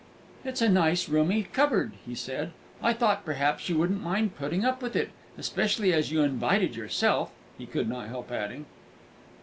"It's a nice roomy cupboard," he said. "I thought perhaps you wouldn't mind putting up with it, especially as you invited yourself," he could not help adding.